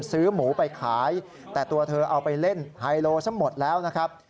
ซื้อหมูไปขายแต่ตัวเธอเอาไปเล่นไฮโลซะหมดแล้วนะครับ